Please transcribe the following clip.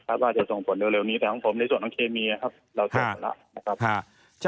ว่าจะส่งผลเร็วนี้แต่ของผมในส่วนของเคมีนะครับเราตรวจหมดแล้วนะครับ